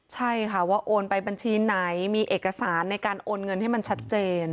ใช่ค่ะว่าโอนไปบัญชีไหนมีเอกสารในการโอนเงินให้มันชัดเจน